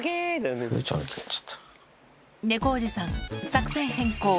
猫おじさん、作戦変更。